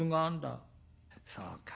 「そうか。